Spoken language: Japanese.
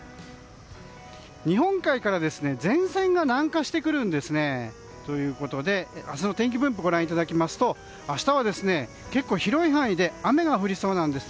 日本海から前線が南下してくるんですね。ということで、明日の天気分布をご覧いただきますと明日は結構広い範囲で雨が降りそうなんです。